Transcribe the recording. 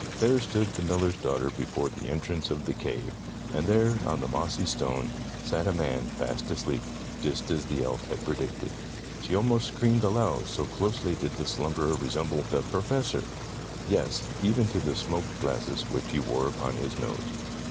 There stood the miller's daughter before the entrance of the cave, and there on the mossy stone, sat a man fast asleep, just as the elf had predicted. She almost screamed aloud, so closely did the slumberer resemble Tales of Modern Germany 23 the Professor. Yes, even to the smoked glasses, which he wore upon his nose.